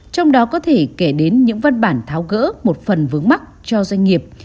trong đó có thể kể đến những văn bản tháo gỡ một phần vướng mắt cho doanh nghiệp